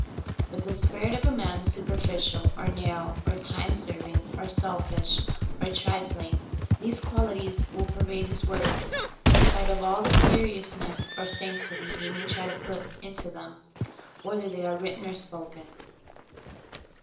If the spirit of a man is superficial, or narrow, or time serving, or selfish, or trifling, these qualities will per vade his words, in spite of all the seriousness or sanc tity he may try to put into them, whether they are written or spoken.